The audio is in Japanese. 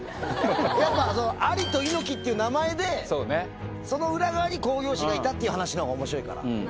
やっぱアリと猪木っていう名前で、その裏側に興行師がいたっていうほうがおもしろいから。